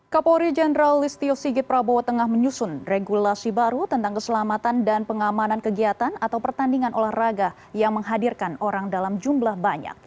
kapolri jenderal listio sigit prabowo tengah menyusun regulasi baru tentang keselamatan dan pengamanan kegiatan atau pertandingan olahraga yang menghadirkan orang dalam jumlah banyak